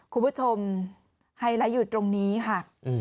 คุณผู้ชมไฮไลท์อยู่ตรงนี้ค่ะ